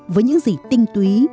với những gì tinh túy